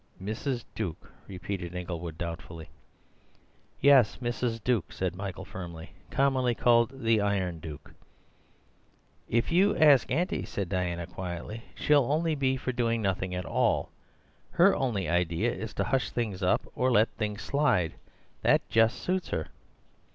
"Mrs. Duke?" repeated Inglewood doubtfully. "Yes, Mrs. Duke," said Michael firmly, "commonly called the Iron Duke." "If you ask Auntie," said Diana quietly, "she'll only be for doing nothing at all. Her only idea is to hush things up or to let things slide. That just suits her."